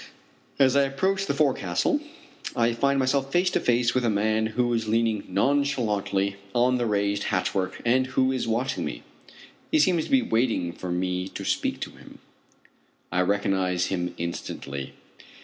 As I approach the forecastle I find myself face to face with a man who is leaning nonchalantly on the raised hatchway and who is watching me. He seems to be waiting for me to speak to him. I recognize him instantly.